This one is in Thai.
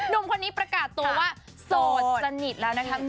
หนุ่มคนนี้ประกาศตัวว่าโสดสนิทแล้วนะคะ